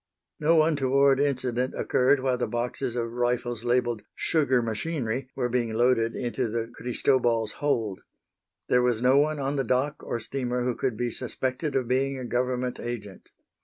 No untoward incident occurred while the boxes of rifles labeled "Sugar machinery" were being loaded into the Cristobal's hold. There was no one on the dock or steamer who could be suspected of being a Government agent.